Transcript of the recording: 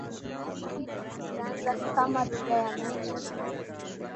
Kiswahili kilianza kama lugha ya miji na